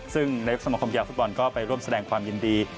ซึ่งนายกสมคมกีฬาฟุตบอลก็ไปร่วมแสดงความยินดี